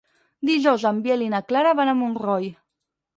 Dijous en Biel i na Clara van a Montroi.